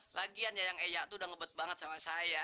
lagian yang eyak tuh udah ngebet banget sama saya